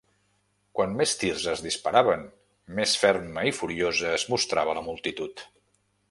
Quant més tirs es disparaven, més ferma i furiosa es mostrava la multitud.